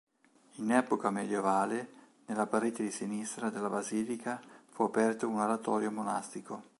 In epoca medievale, nella parete di sinistra della basilica, fu aperto un oratorio monastico.